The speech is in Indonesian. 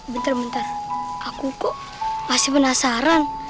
bentar bentar aku kok masih penasaran